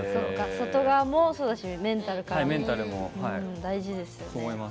外側もそうだしメンタルからも、大事ですよね。